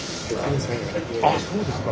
あっそうですか。